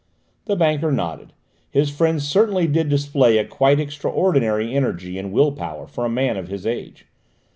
The banker nodded: his friend certainly did display a quite extraordinary energy and will power for a man of his age.